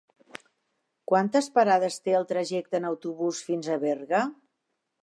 Quantes parades té el trajecte en autobús fins a Berga?